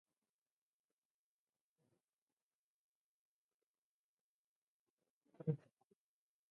يتاجر توم بالأزهار.